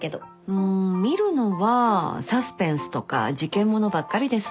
ん見るのはサスペンスとか事件物ばっかりですね。